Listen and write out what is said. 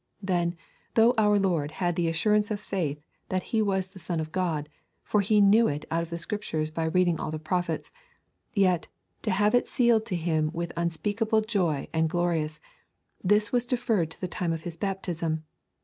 'Then, though our Lord had the assurance of faith that He was the Son of God, for He knew it out of the Scriptures by reading all the prophets, yet, to have it sealed to Him with joy unspeakable and glorious, this was deferred to the time of His baptism.